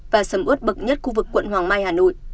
và sầm ướt bậc nhất khu vực quận hoàng mai hà nội